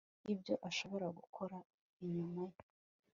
y'ibyo ashobora gukora inyuma ye